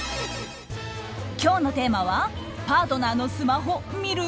今日のテーマは、パートナーのスマホ見る？